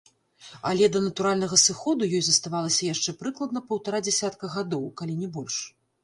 Але да натуральнага сыходу ёй заставалася яшчэ прыкладна паўтара дзясятка гадоў, калі не больш.